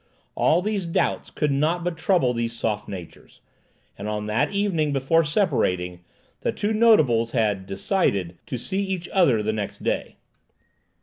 All these doubts could not but trouble these soft natures; and on that evening, before separating, the two notables had "decided" to see each other the next day.